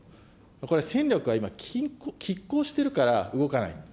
これ、戦力が今きっ抗しているから動かないんだ。